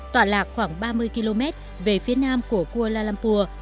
tọa lạc khoảng ba mươi km về phía nam của kuala lumpur